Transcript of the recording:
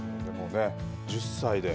１０歳で。